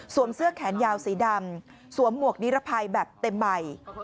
เสื้อแขนยาวสีดำสวมหมวกนิรภัยแบบเต็มใบ